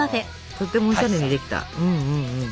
とってもおしゃれにできた。